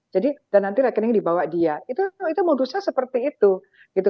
jadi dan nanti rekening dibawa dia itu modusnya seperti itu